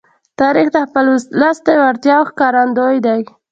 تاریخ د خپل ولس د وړتیاو ښکارندوی دی.